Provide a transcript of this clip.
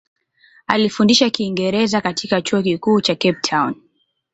Alifundisha Kiingereza katika Chuo Kikuu cha Cape Town.